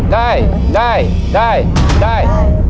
๓นาที